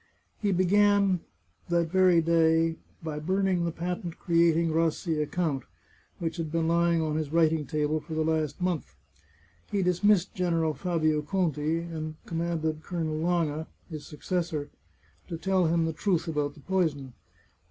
He began, that very day, by burning the patent creating Rassi a count, which had been lying on his writing table for the last month. He dismissed General Fabio Conti, and commanded Colonel Lange, his successor, to tell him the truth about the poison.